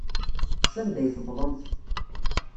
Sanda ay tewwḍemt?